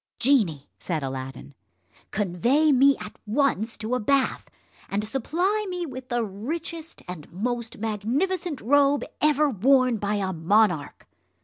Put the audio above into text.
"Genie," said Aladdin, "convey me at once to a bath, and supply me with the richest and most magnificent robe ever worn by a monarch."